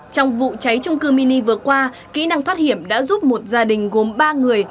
trong vụ cháy trung cư mini vừa qua kỹ năng thoát hiểm đã giúp một gia đình gồm ba người